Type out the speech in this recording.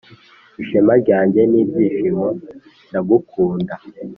ishema ryanjye n'ibyishimo, ndagukunda